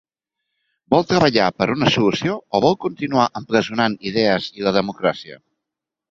Vol treballar per una solució o vol continuar empresonant idees i la democràcia?